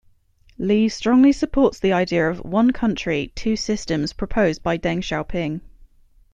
Li strongly supports the idea of "One country, two systems" proposed by Deng Xiaoping.